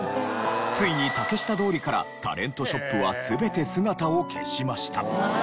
ついに竹下通りからタレントショップは全て姿を消しました。